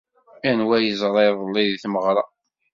Anwa ay yeẓra iḍelli deg tmeɣra?